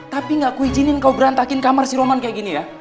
tapi gak kuijinin kau berantakin kamar si roman kayak gini ya